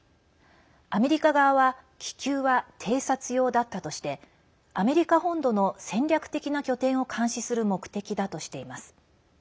アメリカ側は気球は偵察用だったとしてアメリカ本土の戦略的な拠点を監視する目的だとしています。